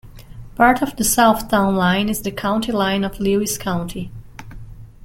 Part of the south town line is the county line of Lewis County.